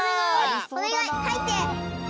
おねがいはいって！